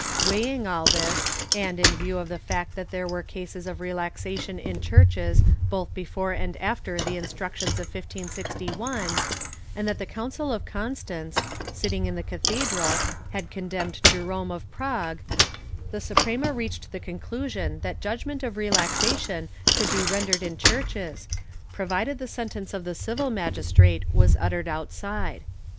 Weighing all this and, in view of the fact that there were cases of relaxa tion in churches both before and after the Instructions of 1561, and that the Council of Constance, sitting in the cathedral, had condemned Jerome of Prague, the Suprema reached the conclusion that judgement of relaxation could be rendered in churches, pro vided the sentence of the civil magistrate was uttered outside.